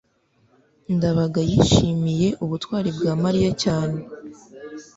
ndabaga yishimiye ubutwari bwa mariya cyane